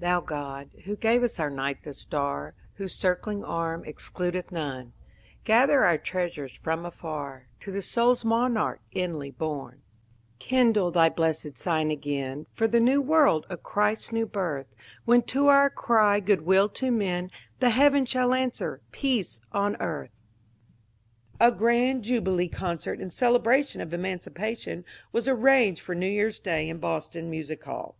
Thon Grod, who gavest our night this star, Whose oiroling arm exolodeth none, Gather onr treasures from afar To the sonl's monarch inly horn I Kindle thy hlessed sign again, For the New World a Christ's new hirth, When to oar cry, Good will to men, The heayens shall answer, Peace on earth ! A grand jubilee concert in celebration of emancipation was arranged for New Year's Day in Boston Masic Hall.